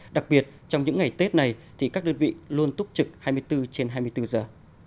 đặc biệt trong những ngày tết này thì các đơn vị luôn túc trực hai mươi bốn trên hai mươi bốn giờ